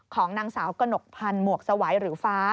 ของนางสาวกระหนกพันธ์หมวกสวัยหรือฟ้า